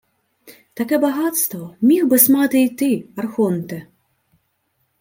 — Таке багатство міг би-с мати й ти, архонте...